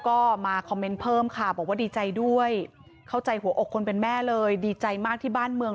ก็มาคอมเมนต์เพิ่มค่ะบอกว่าดีใจด้วยเข้าใจหัวอกคนเป็นแม่เลยดีใจมากที่บ้านเมือง